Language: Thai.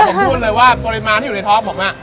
ผมพูดเลยว่าผลิมาที่อยู่ในท็อคผมนี่